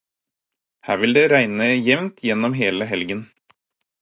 Her vil det regne jevnt gjennom hele helgen.